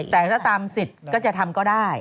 แต่ถ้าตามสิทธิ์ก็จะทำก็ได้